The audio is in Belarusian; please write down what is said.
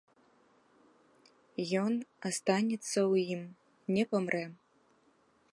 Ён астанецца ў ім, не памрэ.